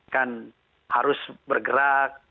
kan harus bergerak